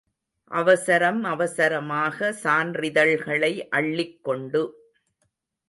அவசரம் அவசரமாக சான்றிதழ்களை அள்ளிக் கொண்டு.